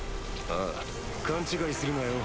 あぁ勘違いするなよ。